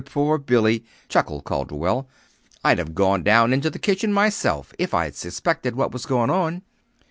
"Poor Billy!" chuckled Calderwell. "I'd have gone down into the kitchen myself if I'd suspected what was going on."